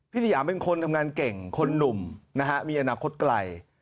สยามเป็นคนทำงานเก่งคนหนุ่มนะฮะมีอนาคตไกล